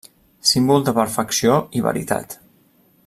Símbol de perfecció i veritat.